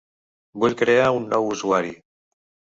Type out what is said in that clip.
Vull crear un nou usuari.